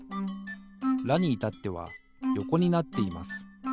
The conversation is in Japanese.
「ラ」にいたってはよこになっています。